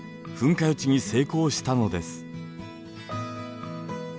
噴火予知に成功したのです。